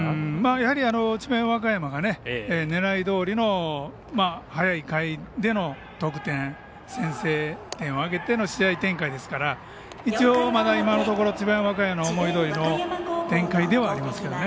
やはり智弁和歌山が狙いどおりの早い回での得点先制点を挙げての試合展開ですから一応、今のところまだ智弁和歌山の思いどおりの展開ではありますけれどもね。